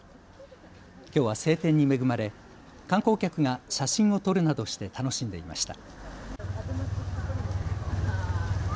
きょうは晴天に恵まれ観光客が写真を撮るなどして楽しんでいました。